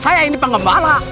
saya ini penggembara